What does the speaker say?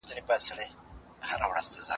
زده کوونکي کولای شي په خپله ژبه ښه فکر وکړي.